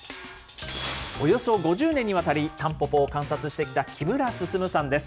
およそ５０年にわたりタンポポを観察してきた木村進さんです。